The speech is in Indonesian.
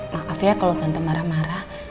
maaf ya kalau tante marah marah